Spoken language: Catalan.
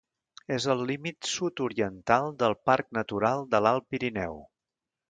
És al límit sud-oriental del Parc Natural de l'Alt Pirineu.